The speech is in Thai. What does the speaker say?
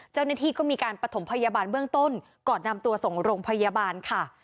เจ้าหน้าที่ก็มีการประถมพยาบาลเบื้องต้นก่อนนำตัวส่งโรงพยาบาลค่ะ